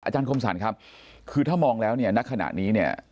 อาจารย์คมสั่นครับคือถ้ามองแล้วเนี่ยณขณะนี้เนี่ย